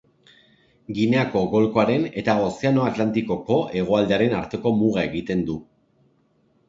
Gineako golkoaren eta Ozeano Atlantikoko hegoaldearen arteko muga egiten du.